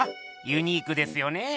ユニークですよねぇ！